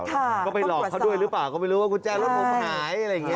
ก็ไปหลอกเขาด้วยหรือเปล่าก็ไม่รู้ว่ากุญแจรถผมหายอะไรอย่างนี้